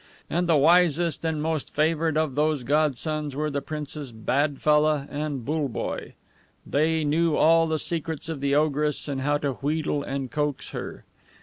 And the wisest and most favored of those godsons were the Princes BADFELLAH and BULLEBOYE. They knew all the secrets of the ogress, and how to wheedle and coax her.